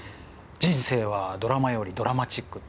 人生はドラマよりドラマチックってねえ。